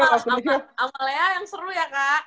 sama lea yang seru ya kak